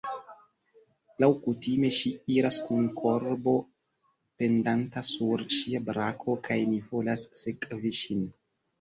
Laŭkutime ŝi iras kun korbo pendanta sur ŝia brako, kai ni volas sekvi ŝin.